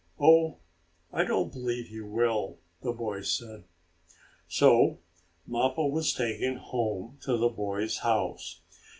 "Oh, I don't believe he will," the boy said. So Mappo was taken home to the boy's house.